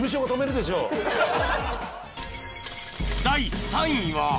［第３位は］